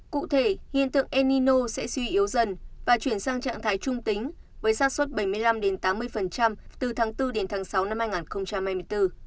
cụ thể hiện tượng enino sẽ suy yếu dần và chuyển sang trạng thái trung tính với sát xuất bảy mươi năm tám mươi từ tháng bốn đến tháng sáu năm hai nghìn hai mươi bốn